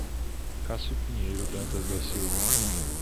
Cassio Pinheiro Dantas da Silva